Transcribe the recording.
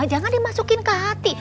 jangan dimasukin ke hati